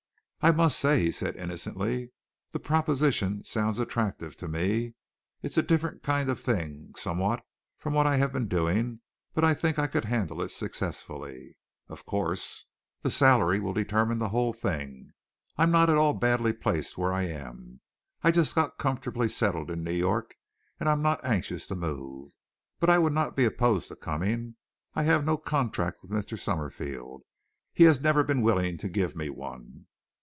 "I must say," he said innocently, "the proposition sounds attractive to me. It's a different kind of thing somewhat from what I have been doing, but I think I could handle it successfully. Of course, the salary will determine the whole thing. I'm not at all badly placed where I am. I've just got comfortably settled in New York, and I'm not anxious to move. But I would not be opposed to coming. I have no contract with Mr. Summerfield. He has never been willing to give me one."